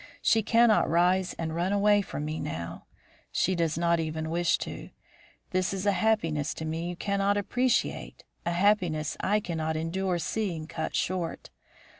She cannot rise and run away from me now. She does not even wish to. This is a happiness to me you cannot appreciate, a happiness I cannot endure seeing cut short.